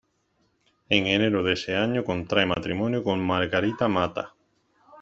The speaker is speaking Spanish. En enero de ese año contrae matrimonio con Margarita Mata.